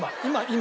今。